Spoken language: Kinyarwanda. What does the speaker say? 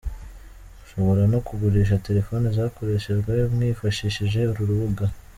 Mushobora no kugurisha terefone zakoreshejwe mwifashishije uru rubuga.